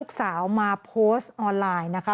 สาวมาโพสต์ออนไลน์นะคะ